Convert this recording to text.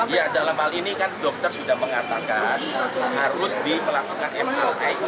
ya dalam hal ini kan dokter sudah mengatakan harus di melakukan mlf